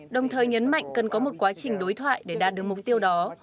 đồng thời nhấn mạnh cần có một quá trình đối thoại để đạt được mục tiêu đó